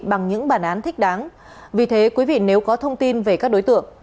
bằng những bản án thích đáng vì thế quý vị nếu có thông tin về các đối tượng